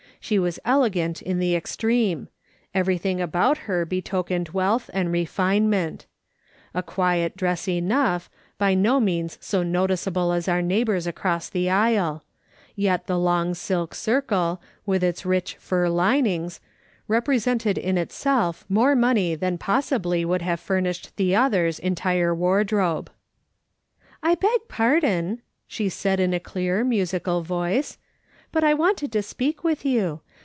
She was elegant in the extreme. Everything about her betokened wealth *" WHOM HAVE WE HEREr 77 and refinement, A quiet dress enough, by no means so noticeable as our neighbour's across the aisle ; yet the long silk circle, with its rich fur linings, represented in itself more money than possibly would have furnished the other's entire wardrobe. " I beg pardon," she said in a clear, musical voice, " but I wanted to speak with you.